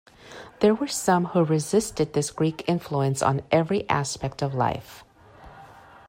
There were some who resisted this Greek influence on every aspect of life.